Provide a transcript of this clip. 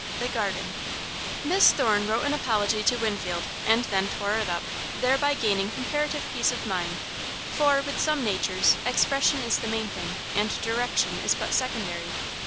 The Garden Miss Thorne wrote an apology to Winfield, and then tore it up, thereby gaining comparative peace of mind, for, with some natures, expression is the main thing, and direction is but secondary.